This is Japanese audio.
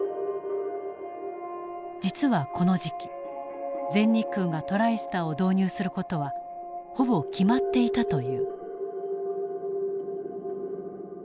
実はこの時期全日空がトライスターを導入する事はほぼ決まっていたという。